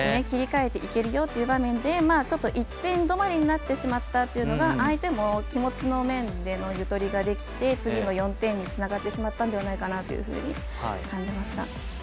切り替えていけるという場面でちょっと１点止まりになってしまったというのが相手も気持ちの面でのゆとりができて、次の４点につながってしまったのではないかと感じました。